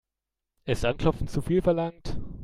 Ist anklopfen zu viel verlangt?